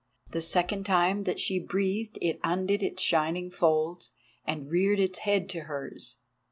The second time that she breathed it undid its shining folds and reared its head to hers.